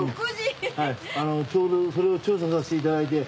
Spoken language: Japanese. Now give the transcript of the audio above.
ちょうどそれを調査させていただいて。